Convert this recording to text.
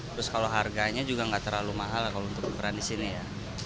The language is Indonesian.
terus kalau harganya juga nggak terlalu mahal lah kalau untuk ukuran di sini ya